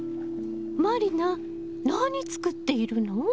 満里奈何作っているの？